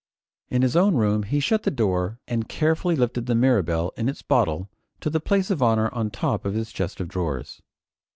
In his own room he shut the door and carefully lifted the Mirabelle in its bottle to the place of honor on top of his chest of drawers.